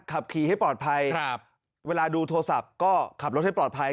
ขับขี่ให้ปลอดภัยครับเวลาดูโทรศัพท์ก็ขับรถให้ปลอดภัย